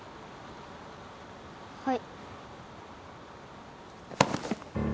はい。